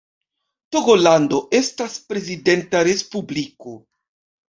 Togolando estas prezidenta respubliko.